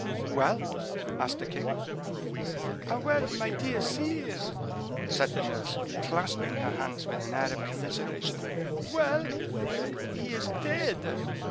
"Well?" asked the king. "Well, my dear sire," said the nurse, clasping her hands with an air of commiseration. "Well; he is dead!"